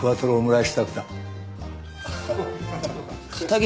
はい。